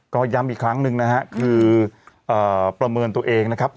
ก็ย้ำอีกครั้งหนึ่งนะฮะคือประเมินตัวเองนะครับ